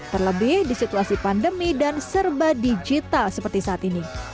terlebih di situasi pandemi dan serba digital seperti saat ini